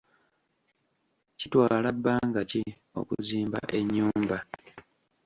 Kitwala bbanga ki okuzimba enyumba?